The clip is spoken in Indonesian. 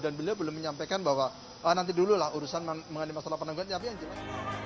beliau belum menyampaikan bahwa nanti dulu lah urusan mengenai masalah penangguhan tapi yang jelas